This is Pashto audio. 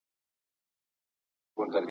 زه به بیا راځمه !.